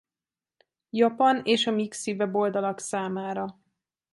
Japan és a mixi weboldalak számára.